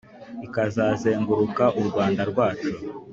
Ikazazenguruka u Rwanda rwacu